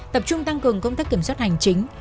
tập trung tăng cường công tác kiểm soát hành chính